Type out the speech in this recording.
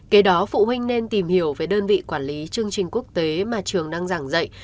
kế đó phụ huynh nên tìm hiểu về đơn vị quản lý chương trình quốc tế mà trường đang giảng dạy